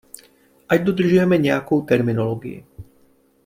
Ať dodržujeme nějakou terminologii.